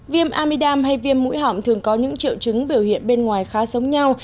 viêm amidam hay viêm mũi họng thường có những triệu chứng biểu hiện bên ngoài khá giống nhau